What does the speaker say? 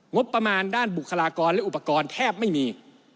งบประมาณด้านบุคลากรและอุปกรณ์แทบไม่มี